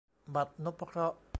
บัตรนพเคราะห์